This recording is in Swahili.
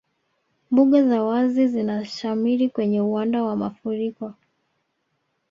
Mbuga za wazi zinashamiri kwenye uwanda wa mafuriko